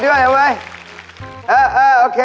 ท่านหรือคะเฮ่ยยินดีด้วยเอาไว้